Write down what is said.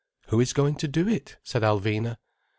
"Who is going to do it?" said Alvina.